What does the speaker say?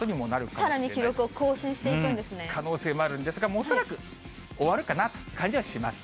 さらに記録を更新していくん可能性もあるんですが、恐らく終わるかなという感じはします。